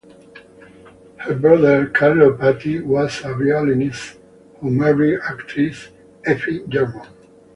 Her brother Carlo Patti was a violinist who married actress Effie Germon.